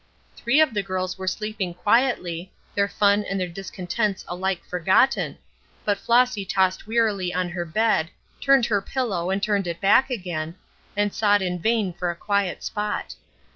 Three of the girls were sleeping quietly, their fun and their discontents alike forgotten, but Flossy tossed wearily on her bed, turned her pillow and turned it back again, and sought in vain for a quiet spot.